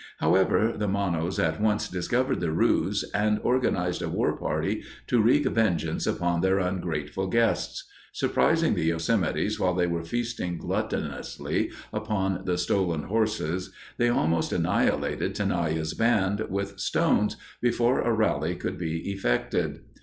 However, the Monos at once discovered the ruse and organized a war party to wreak vengeance upon their ungrateful guests. Surprising the Yosemites while they were feasting gluttonously upon the stolen horses, they almost annihilated Tenaya's band with stones before a rally could be effected.